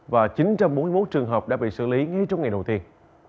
và chín trăm bốn mươi một trường hợp đã bị xử lý ngay trong ngày đầu tiên